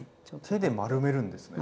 手で丸めるんですね。